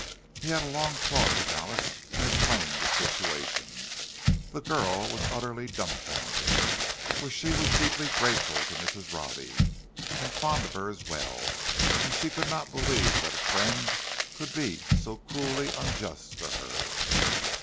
He had a long talk with Alice, and explained the situation. The girl was utterly dumbfounded, for she was deeply grateful to Mrs. Robbie, and fond of her as well; and she could not believe that a friend could be so cruelly unjust to her.